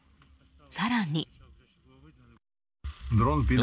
更に。